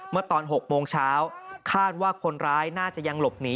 เมื่อตอน๖โมงเช้าคาดว่าคนร้ายน่าจะยังหลบหนี